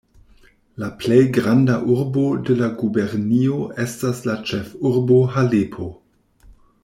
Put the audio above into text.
La plej granda urbo de la gubernio estas la ĉefurbo Halepo.